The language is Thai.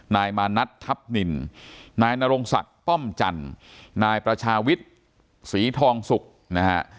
นายมานัดทัพนินนายนรงศักดิ์ป้อมจันทร์นายประชาวิทย์ศรีทองสุกนะฮะ